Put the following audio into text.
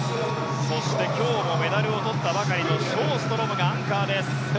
そして今日もメダルを取ったばかりのショーストロムがアンカーです。